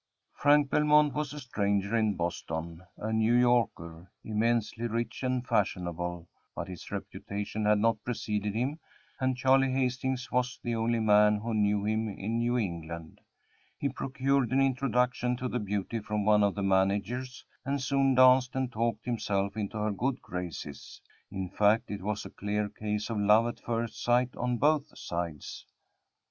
Frank Belmont was a stranger in Boston a New Yorker immensely rich and fashionable, but his reputation had not preceded him, and Charley Hastings was the only man who knew him in New England. He procured an introduction to the beauty from one of the managers, and soon danced and talked himself into her good graces. In fact, it was a clear case of love at first sight on both sides.